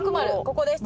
ここです。